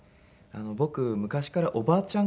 僕昔からおばあちゃんっ子で。